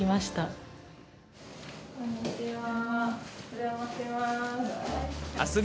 お邪魔します。